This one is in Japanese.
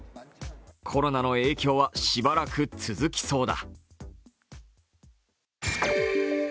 コロナの影響はしばらく続きそうだ。